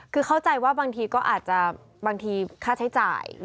คือเข้าใจว่าบางทีก็อาจจะบางทีค่าใช้จ่าย